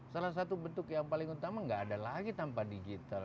salah satu bentuk yang paling utama nggak ada lagi tanpa digital